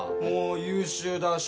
もう優秀だ。